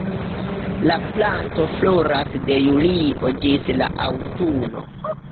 La planto floras de julio ĝis la aŭtuno.